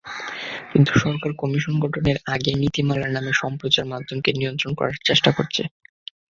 কিন্তু সরকার কমিশন গঠনের আগেই নীতিমালার নামে সম্প্রচার-মাধ্যমকে নিয়ন্ত্রণ করার চেষ্টা করছে।